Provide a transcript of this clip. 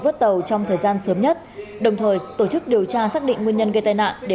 vớt tàu trong thời gian sớm nhất đồng thời tổ chức điều tra xác định nguyên nhân gây tai nạn để